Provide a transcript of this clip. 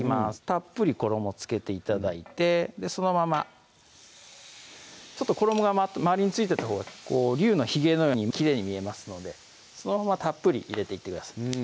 たっぷり衣付けて頂いてそのまま衣が周りに付いてたほうが竜のひげのようにきれいに見えますのでそのままたっぷり入れていってください